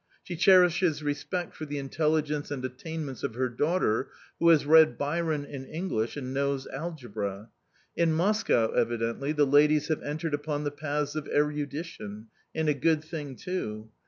She cherishes respect for the intelligence and attainments of her daughter, who has read Byron in English and knows algebra: in Moscow, evidently, the ladies have entered upon the paths of erudition and a good thing, too!